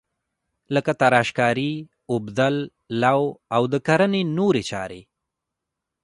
لکه تراشکاري، اوبدل، لو او د کرنې نورې چارې.